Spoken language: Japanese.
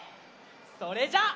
それじゃあ。